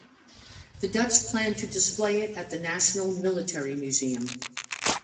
The Dutch plan to display it at the National Military Museum.